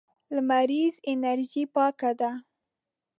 لمريزه انرژي پاکه ده.